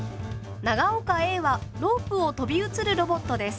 長岡Ａはロープを飛び移るロボットです。